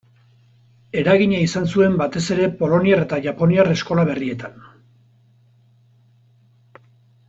Eragina izan zuen batez ere poloniar eta japoniar eskola berrietan.